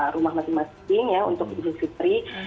rumah masing masing ya untuk idul fitri